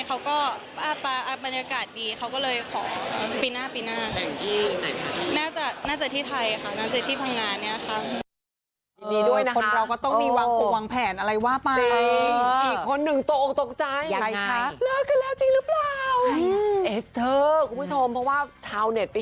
เขาก็บรรยากาศดี